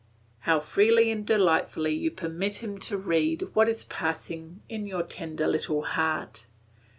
How freely and delightfully you permit him to read what is passing in your tender little heart!